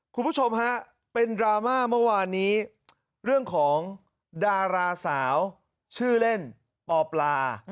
คุณผู้ชมฮะเป็นดราม่าเมื่อวานนี้เรื่องของดาราสาวชื่อเล่นปอปลา